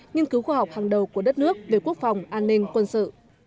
nghiên cứu khoa học hàng đầu của đất nước về quốc phòng an ninh quân sự